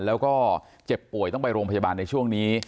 แล้วก็เจ็บป่วยต้องไปโรงพยาบาลในช่วงนี้